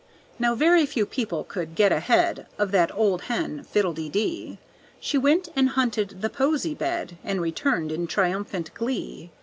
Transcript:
Now very few people could get ahead Of that old hen, Fiddle de dee. She went and hunted the posy bed, And returned in triumphant glee.